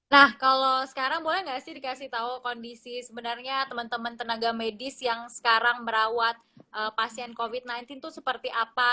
nah kalau sekarang boleh nggak sih dikasih tahu kondisi sebenarnya teman teman tenaga medis yang sekarang merawat pasien covid sembilan belas itu seperti apa